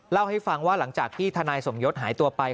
เล่าให้ฟังว่าหลังจากที่ทนายสมยศหายตัวไป